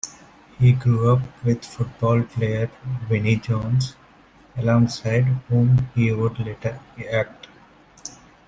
He grew up with football player Vinnie Jones, alongside whom he would later act.